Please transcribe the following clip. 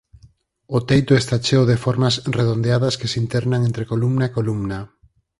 O teito está cheo de formas redondeadas que se internan entre columna e columna.